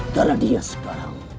karena dia sekarang